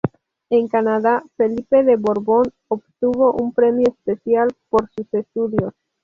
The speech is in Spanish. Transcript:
En Canadá, Felipe de Borbón obtuvo un premio especial por sus estudios.